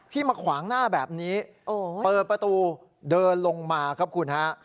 มาขวางหน้าแบบนี้เปิดประตูเดินลงมาครับคุณฮะ